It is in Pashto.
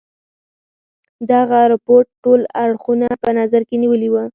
دغه رپوټ ټول اړخونه په نظر کې نیولي وه.